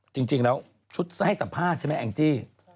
จริงแล้วชุดให้สัมภาษณ์ใช่ไหมแองจี้